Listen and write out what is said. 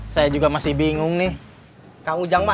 saya juga masih bingung nih